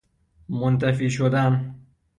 منطفی شدن